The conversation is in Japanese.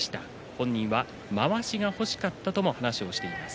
本人は、まわしが欲しかったとも話をしています。